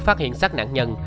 phát hiện sát nạn nhân